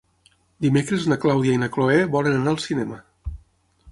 Dimecres na Clàudia i na Cloè volen anar al cinema.